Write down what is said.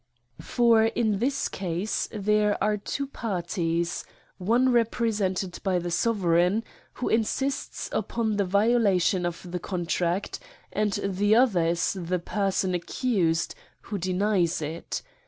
For in this case there are two parties, one represented by the sovereign, who insists up on the violation of the contract, and the other is the person accused, who denies it.